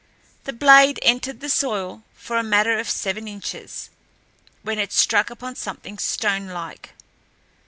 The blade entered the soil for a matter of seven inches, when it struck upon something stonelike.